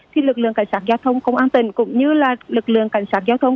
thì lực lượng cảnh sát giao thông công an tình cũng như lực lượng cảnh sát giao thông